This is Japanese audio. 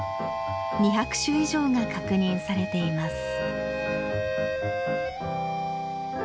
２００種以上が確認されています。